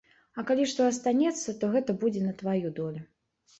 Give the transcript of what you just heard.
А калі што астанецца, то гэта будзе на тваю долю.